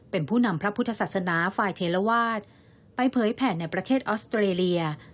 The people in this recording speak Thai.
เป็นผู้นำพระพุทธศาสนาฝ่ายเทลวาสไปเผยแผ่ในประเทศออสเตรเลีย